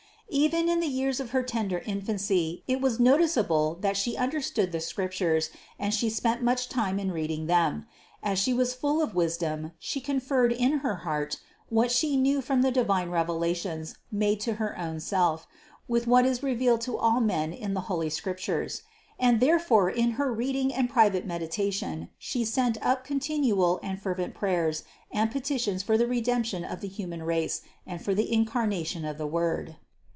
661. Even in the years of her tender infancy it was noticeable that She understood the Scriptures and She spent much time in reading them. As She was full of wisdom She conferred in her heart what She knew from the divine revelations made to her own self, with what is revealed to all men in the holy Scriptures; and therefore in her reading and private meditation She sent up contin ual and fervent prayers and petitions for the Redemption of the human race and for the incarnation of the Word.